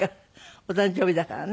お誕生日だからね。